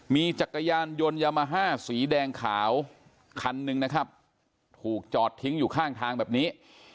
มีจักรยานยนต์ยามาฮ่าสีแดงขาวคันหนึ่งนะครับถูกจอดทิ้งอยู่ข้างทางแบบนี้